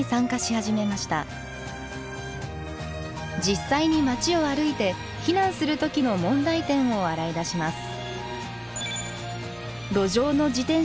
実際に街を歩いて避難する時の問題点を洗い出します。